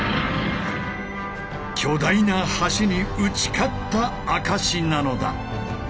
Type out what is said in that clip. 巨大な橋に打ち勝った証しなのだ。